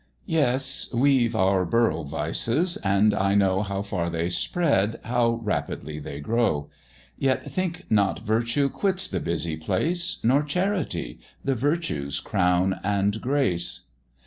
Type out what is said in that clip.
YES! we've our Borough vices, and I know How far they spread, how rapidly they grow; Yet think not virtue quits the busy place, Nor charity, the virtues crown and grace.